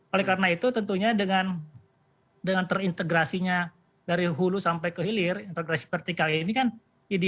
oleh karena itu tentunya dengan terintegrasinya dari hulu sampai ke hilir integrasi vertikal ini kan ideal